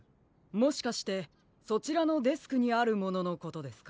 もしかしてそちらのデスクにあるもののことですか？